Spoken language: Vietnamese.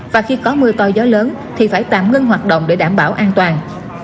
và khi có mưa to gió lớn thì phải tạm ngưng hoạt động để đảm bảo an toàn